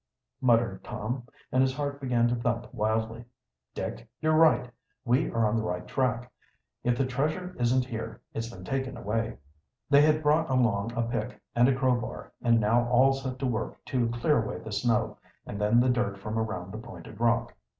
muttered Tom, and his heart began to thump wildly. "Dick, you're right. We are on the right track. If the treasure isn't here, it's been taken away." They had brought along a pick and a crowbar, and now all set to work to clear away the snow, and then the dirt from around the pointed rock.